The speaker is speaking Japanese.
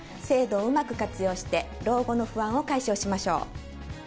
制度をうまく活用して、老後の不安を解消しましょう。